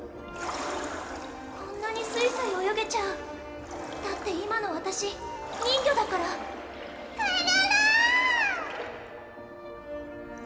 こんなにすいすい泳げちゃうだって今のわたし人魚だからくるるん！